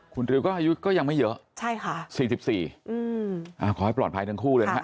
คุณริวก็อายุก็ยังไม่เยอะใช่ค่ะ๔๔ขอให้ปลอดภัยทั้งคู่เลยนะฮะ